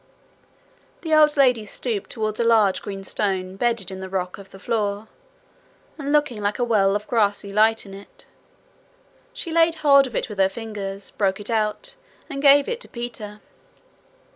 The lady stooped toward a large green stone bedded in the rock of the floor, and looking like a well of grassy light in it. She laid hold of it with her fingers, broke it out, and gave it to Peter.